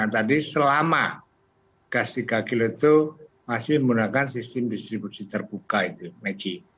tadi selama gas tiga kg itu masih menggunakan sistem distribusi terbuka itu megi